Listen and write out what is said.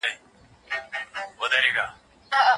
ډاکټره اوږده پاڼه ړنګوي.